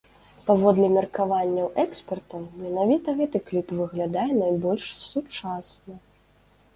Паводле меркаванняў экспертаў, менавіта гэты кліп выглядае найбольш сучасна.